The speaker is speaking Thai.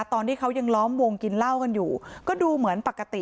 ตอนที่เขายังล้อมวงกินเหล้ากันอยู่ก็ดูเหมือนปกติ